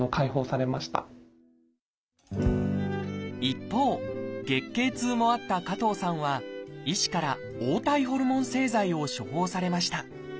一方月経痛もあった加藤さんは医師から「黄体ホルモン製剤」を処方されました。